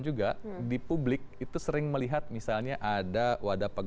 karena kita lihat dan dihadap hadapkan juga di publik itu sering melihat misalnya ada wadah pegang